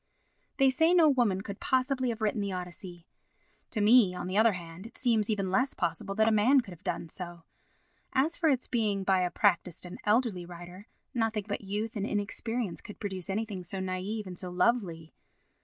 They say no woman could possibly have written the Odyssey. To me, on the other hand, it seems even less possible that a man could have done so. As for its being by a practised and elderly writer, nothing but youth and inexperience could produce anything so naïve and so lovely.